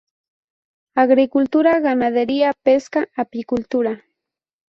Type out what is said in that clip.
Agricultura, ganadería, pesca, apicultura.